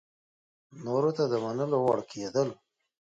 نورو ته د منلو وړ کېدل